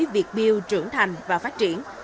việt build trưởng thành và phát triển